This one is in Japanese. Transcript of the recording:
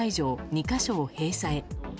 ２か所を閉鎖へ。